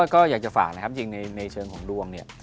ก็อยากจะฝากนะครับจริงในเชิงของดวงเนี่ย